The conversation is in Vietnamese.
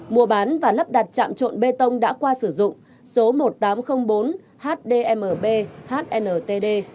mua bán và lắp đặt chạm trộn bê tông đã qua sử dụng số một nghìn tám trăm linh bốn hdmb hntd